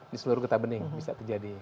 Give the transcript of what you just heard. di seluruh kota bening bisa terjadi